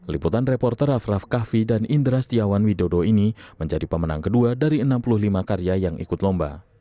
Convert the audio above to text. liputan reporter raff raff kahvi dan indra setiawan widodo ini menjadi pemenang kedua dari enam puluh lima karya yang ikut lomba